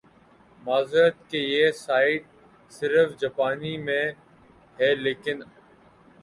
معذرت کہ یہ سائیٹ صرف جاپانی میں ھے لیکن آ